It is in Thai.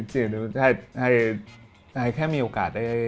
ให้แค่มีโอกาสได้